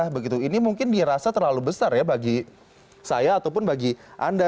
begitu ini mungkin dirasa terlalu besar ya bagi saya ataupun bagi anda